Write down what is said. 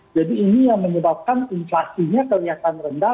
jadi ini yang menyebabkan inflasinya kelihatan rendah